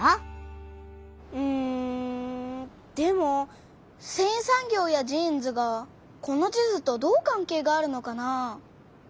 うんでもせんい産業やジーンズがこの地図とどう関係があるのかな？